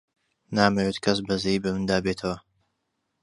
نامەوێت کەس بەزەیی بە مندا بێتەوە.